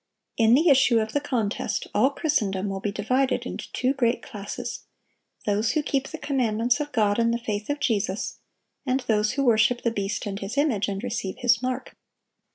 In the issue of the contest, all Christendom will be divided into two great classes,—those who keep the commandments of God and the faith of Jesus, and those who worship the beast and his image and receive his mark.